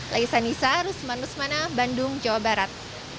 laisa nisa rusman rusmana bandung jawa barat